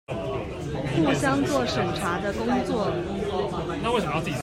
互相做審查的工作